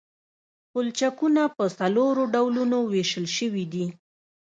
پلچکونه په څلورو ډولونو ویشل شوي دي